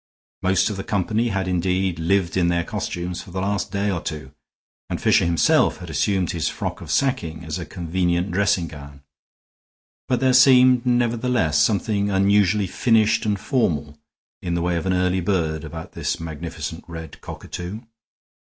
Most of the company had indeed lived in their costumes for the last day or two, and Fisher himself had assumed his frock of sacking as a convenient dressing gown; but there seemed, nevertheless, something unusually finished and formal, in the way of an early bird, about this magnificent red cockatoo.